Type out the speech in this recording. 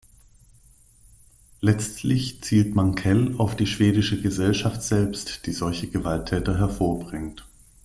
Letztlich zielt Mankell auf die schwedische Gesellschaft selbst, die solche Gewalttäter hervorbringt.